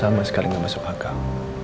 sama sekali tidak masuk akal